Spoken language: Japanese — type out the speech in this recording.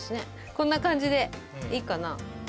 こんな感じでいいかな？